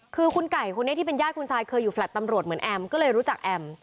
คือคุณไก่คนนี้ที่เป็นญาติคุณซายเคยอยู่แฟลต์ตำรวจเหมือนแอมก็เลยรู้จักแอม